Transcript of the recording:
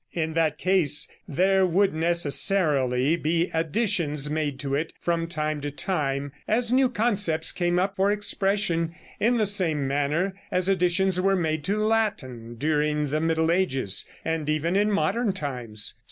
In that case there would necessarily be additions made to it from time to time, as new concepts came up for expression, in the same manner as additions were made to Latin during the Middle Ages, and even in modern times.